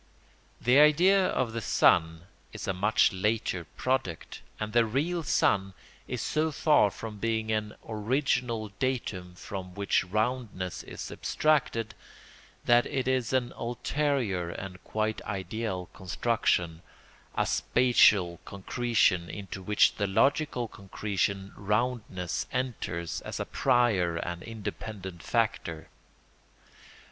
The idea of the sun is a much later product, and the real sun is so far from being an original datum from which roundness is abstracted, that it is an ulterior and quite ideal construction, a spatial concretion into which the logical concretion roundness enters as a prior and independent factor.